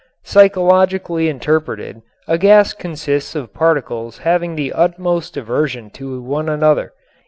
Psychologically interpreted, a gas consists of particles having the utmost aversion to one another.